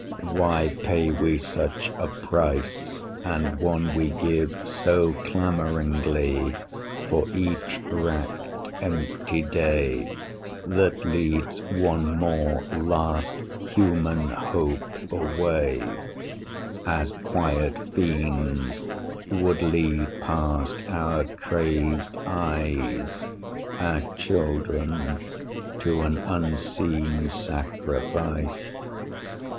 Why pay we such a price, and one we give So clamoringly, for each racked empty day That leads one more last human hope away, As quiet fiends would lead past our crazed eyes Our children to an unseen sacrifice?